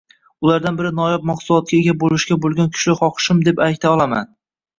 Ulardan biri noyob mahsulotga ega boʻlishga boʻlgan kuchli xohishim, deb ayta olaman.